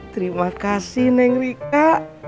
terima kasih neng rika